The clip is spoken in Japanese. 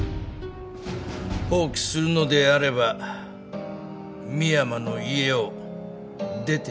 放棄するのであれば深山の家を出ていけ。